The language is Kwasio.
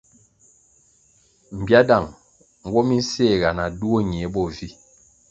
Mbiáh dang nwo mi nséhga na duo ñie bo vi.